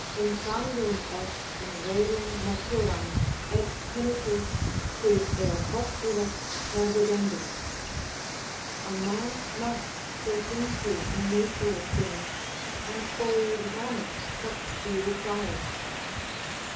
"Intrandum est in rerum naturam, et penitus, quid ea postulet, pervidendum." ["A man must search into the nature of things, and fully examine what she requires."